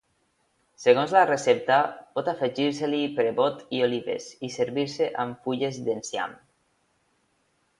Segons la recepta, pot afegir-se-li pebrot i olives, i servir-se amb fulles d'enciam.